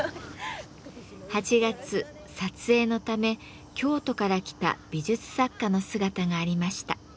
８月撮影のため京都から来た美術作家の姿がありました。